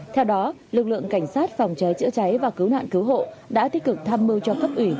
theo đó lực lượng cảnh sát phòng cháy chữa cháy và cứu nạn cứu hộ đã tích cực tham mưu cho cấp ủy